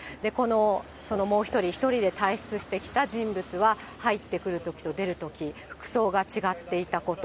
そのもう１人、１人で退室してきた人物は、入ってくるときと出るとき、服装が違っていたこと。